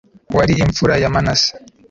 wari imfura ya manase